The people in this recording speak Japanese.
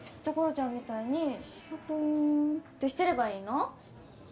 ちゃんみたいにしょぼーんってしてればいいの？